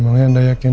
memangnya anda yakin